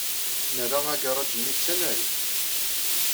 Nerra agaṛaj-nni d tanarit.